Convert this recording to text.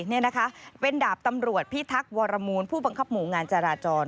นี่นะคะเป็นดาบตำรวจพิทักษ์วรมูลผู้บังคับหมู่งานจราจร